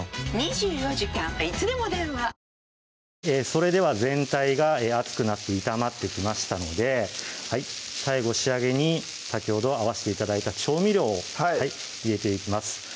それでは全体が熱くなって炒まってきましたので最後仕上げに先ほど合わして頂いた調味料を入れていきます